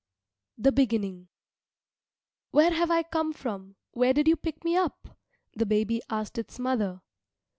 jpg] THE BEGINNING "Where have I come from, where did you pick me up?" the baby asked its mother.